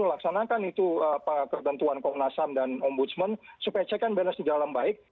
laksanakan itu kebantuan kongnasam dan ombudsman supaya check and balance di dalam baik